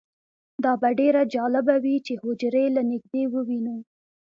دا به ډیره جالبه وي چې حجرې له نږدې ووینو